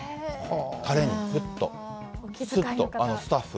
たれに、すっと、スタッフ。